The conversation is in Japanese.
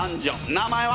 名前は？